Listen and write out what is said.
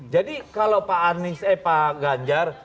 jadi kalau pak anis eh pak ganjar